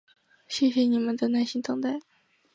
谢谢你们的耐心等候！